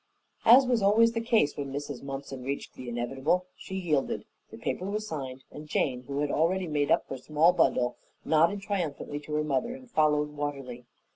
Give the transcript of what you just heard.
As was always the case when Mrs. Mumpson reached the inevitable, she yielded; the paper was signed, and Jane, who had already made up her small bundle, nodded triumphantly to her mother and followed Watterly.